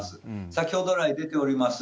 先ほど来出ております